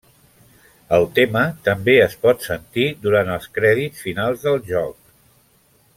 El tema també es pot sentir durant els crèdits finals del joc.